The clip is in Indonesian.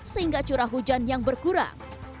sehingga curah hujan yang berkurang